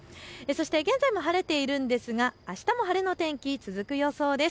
現在も晴れているんですが、あしたも晴れの天気続く予想です。